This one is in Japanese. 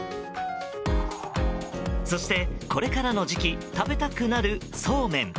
そして、これからの時期食べたくなる、そうめん。